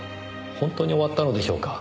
本当に終わったのでしょうか？